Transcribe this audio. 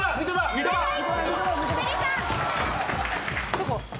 どこ？